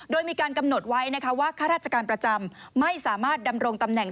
โดยมีการกำหนดไว้นะคะว่าข้าราชการประจำไม่สามารถดำรงตำแหน่ง